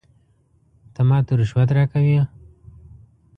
ته ماته رشوت راکوې ؟